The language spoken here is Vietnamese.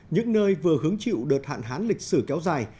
những nơi vừa hứng chịu đợt hạn hán lịch sử kéo dài